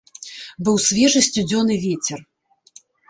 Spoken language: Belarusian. Быў свежы сцюдзёны вецер.